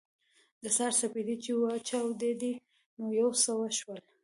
د سهار سپېدې چې وچاودېدې نو یو څه وشول